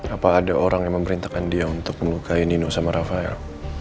apa ada orang yang memerintahkan dia untuk melukai nino sama rafael